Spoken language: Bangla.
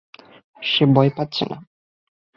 সে ভয় পাচ্ছে না।